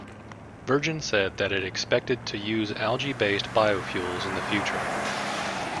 Virgin said that it expected to use algae-based biofuels in the future.